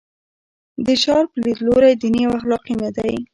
د شارپ لیدلوری دیني او اخلاقي نه دی.